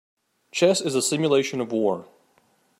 Chess is a simulation of war.